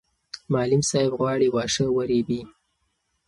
معلم صاحب غواړي واښه ورېبي.